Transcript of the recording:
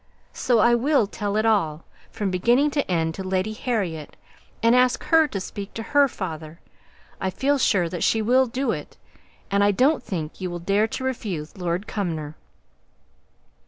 So I will tell it all, from beginning to end, to Lady Harriet, and ask her to speak to her father. I feel sure that she will do it; and I don't think you will dare to refuse Lord Cumnor."